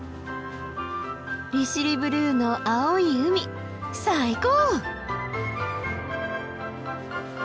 利尻ブルーの青い海最高！